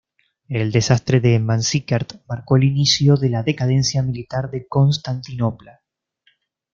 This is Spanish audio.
El desastre de Manzikert marcó el inicio de la decadencia militar de Constantinopla.